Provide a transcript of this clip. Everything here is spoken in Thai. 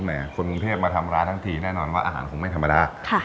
คนกรุงเทพมาทำร้านทั้งทีแน่นอนว่าอาหารคงไม่ธรรมดา